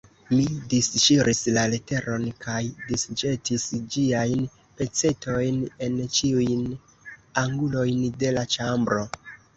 Mi disŝiris la leteron kaj disĵetis ĝiajn pecetojn en ĉiujn angulojn de la ĉambro.